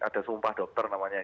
ada sumpah dokter namanya